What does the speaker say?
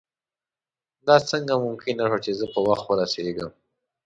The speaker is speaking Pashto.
دا څنګه ممکنه شوه چې زه په وخت ورسېږم.